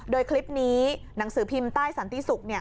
โดยคลิปนี้หนังสือพิมพ์ใต้สันติศุกร์